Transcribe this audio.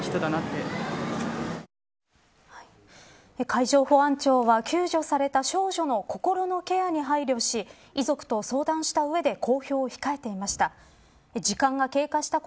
海上保安庁は救助された少女の心のケアに配慮し遺族と相談した上で公表を控えていました。